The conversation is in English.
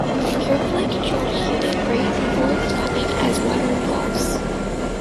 Carefully controlled heating rate avoids gumming as water evolves.